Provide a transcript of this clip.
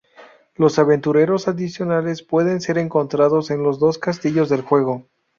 Los aventureros adicionales pueden ser encontrados en los dos castillos del juego.